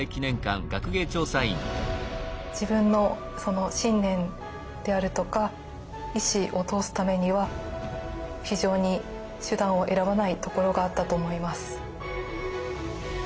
自分の信念であるとか意志を通すためには非常に手段を選ばないところがあったと思います。